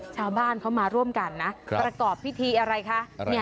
ชาวบ้านเขามาร่วมกันนะประกอบพิธีอะไรคะ